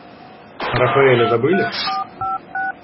А Рафаэля забыли?